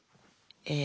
え